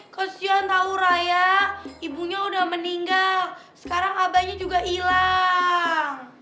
kesian tau raya ibunya udah meninggal sekarang abahnya juga ilang